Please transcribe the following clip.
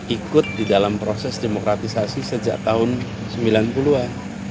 ikut di dalam proses demokratisasi sejak tahun sembilan puluh an